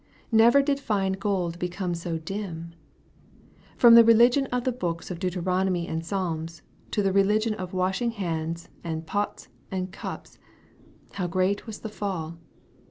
Never did fine gold become so dim 1 From the religion of the books of Deuteronomy and Psalms, to the religion of washing hands, and pots, and cups, how great was the fall